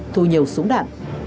thu nhiều súng đạn